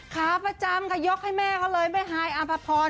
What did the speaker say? ขาประจำค่ะยกให้แม่เขาเลยแม่ฮายอภพร